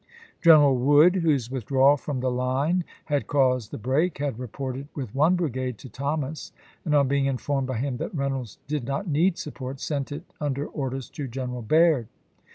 Greneral Wood, whose withdrawal from the line had caused the break, had reported with one brigade to Thomas, and on being informed by him that Reynolds did not need support, sent it under orders to G eneral Baird.